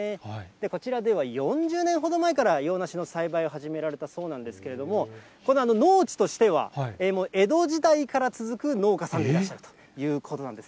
こちらでは４０年ほど前から洋梨の栽培を始められたそうなんですけれども、この農地としては、江戸時代から続く農家さんでいらっしゃるということなんです。